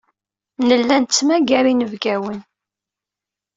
Nella nettmagar inebgawen.